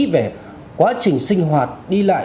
về quá trình sinh hoạt đi lại